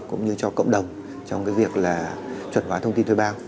cũng như cho cộng đồng trong việc chuẩn hóa thông tin thuê bao